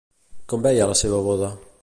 Com veia la seva boda?